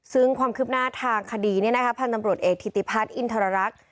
ซึงความคืบหน้าทางคดีนี่นะครับพันธมรุดเอกฐิติพัชร์อินทรรรักษ์